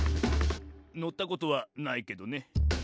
「のったことはないけどね」